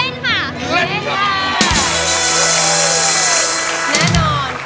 เล่นพ่อ